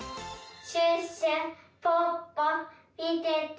シュッシュポッポみてて。